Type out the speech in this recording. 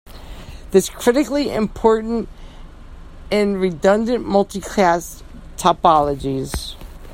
This is critically important in redundant multicast topologies.